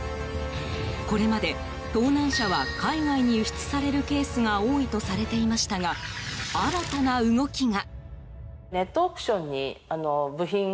これまで盗難車は海外に輸出されるケースが多いとされていましたが新たな動きが。